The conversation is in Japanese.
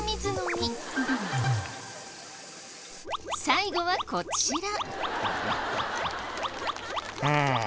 最後はこちら。